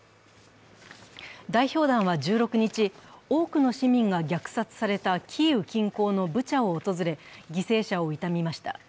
代表団は、１６日多くの市民が虐殺されたキーウ近郊のブチャを訪れ、犠牲者を悼みました。